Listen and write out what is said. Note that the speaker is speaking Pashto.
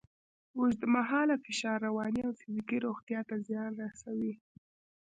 اوږدمهاله فشار رواني او فزیکي روغتیا ته زیان رسوي.